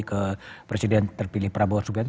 ke presiden terpilih prabowo subianto